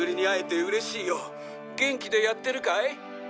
「元気でやってるかい？」